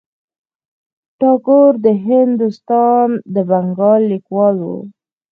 ټاګور د هندوستان د بنګال لیکوال و.